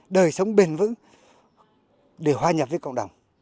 đời sống bền vững để hòa nhập với cộng đồng